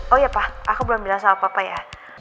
oh iya pak aku belum bilang sama papa ya